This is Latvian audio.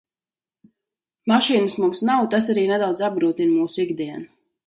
Mašīnas mums nav, tas arī nedaudz apgrūtina mūsu ikdienu.